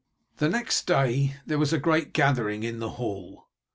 The next day there was a great gathering in the hall.